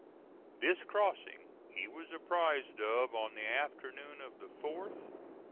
This crossing he was apprised of on the afternoon of the 4th.